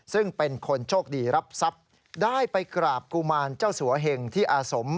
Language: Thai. ซึ่งเป็นคนโชคดีรับทรัพย์ได้ไปกราบกุมารเจ้าสัวเหงที่อาสม